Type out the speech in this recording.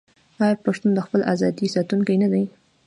آیا پښتون د خپلې ازادۍ ساتونکی نه دی؟